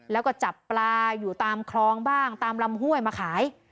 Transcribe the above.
แล้วก็จับปลาอยู่ตามคลองบ้างตามลำห้วยมาขาย